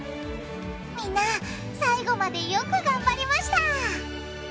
みんな最後までよくがんばりました！